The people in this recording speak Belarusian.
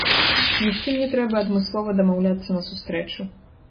Ні з кім не трэба адмыслова дамаўляцца на сустрэчу.